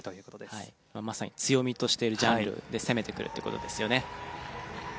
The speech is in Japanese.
まさに強みとしているジャンルで攻めてくるって事ですよね。